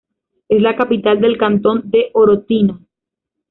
Es la capital del cantón de Orotina.